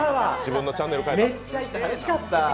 めっちゃ行った、楽しかった。